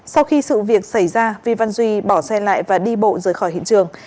sau khi sự việc xảy ra vi văn duy bỏ xe lại và đi bộ rời khỏi hiện trường